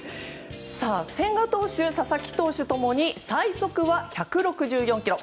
千賀投手、佐々木投手共に最速は１６４キロ。